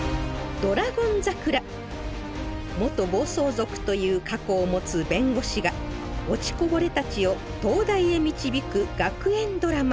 元暴走族という過去を持つ弁護士が落ちこぼれたちを東大へ導く学園ドラマ。